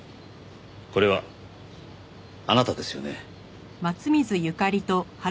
これはあなたですよね？